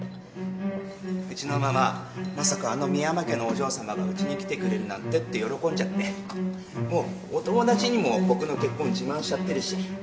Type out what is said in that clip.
うちのママまさかあの深山家のお嬢さまがうちに来てくれるなんてって喜んじゃってもうお友達にも僕の結婚自慢しちゃってるし。